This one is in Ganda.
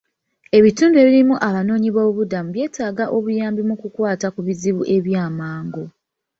Ebitundu ebirimu abanoonyi b'obubuddamu byetaaga obuyambi mu kukwata ku bizibu ebyamangu.